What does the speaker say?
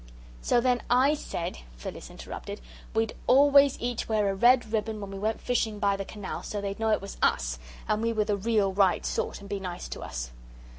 "So then I said," Phyllis interrupted, "we'd always each wear a red ribbon when we went fishing by the canal, so they'd know it was US, and we were the real, right sort, and be nice to us!"